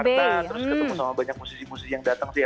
nah terus ketemu sama banyak musisi musisi yang datang sih